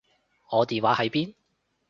我電話喺邊？